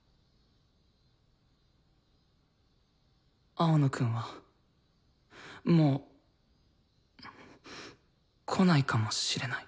青野くんはもう来ないかもしれない。